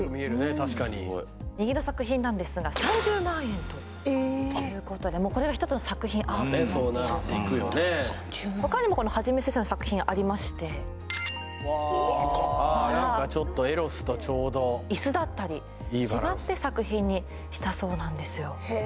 確かに右の作品なんですが３０万円ということでこれが１つの作品アートになっているほかにもＨａｊｉｍｅ先生の作品ありましてああ何かちょっとエロスとちょうどにしたそうなんですよへえ